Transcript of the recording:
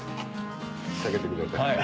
かけてください。